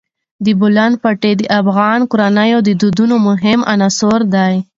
د بولان پټي د افغان کورنیو د دودونو مهم عنصر دی.